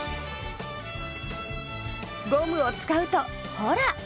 ゴムを使うとほら！